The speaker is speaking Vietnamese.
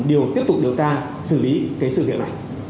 đều tiếp tục điều tra xử lý cái sự việc này